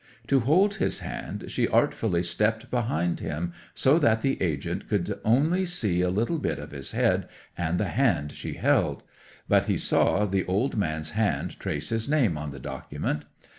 To hold his hand she artfully stepped behind him, so that the agent could only see a little bit of his head, and the hand she held; but he saw the old man's hand trace his name on the document.